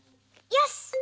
よし！